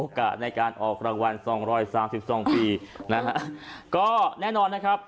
โอกาสในการออกรางวัล๒๓๒ปีนะฮะก็แน่นอนนะครับ